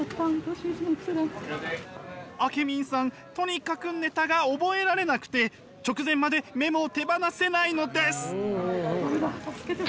あけみんさんとにかくネタが覚えられなくて直前までメモを手放せないのです。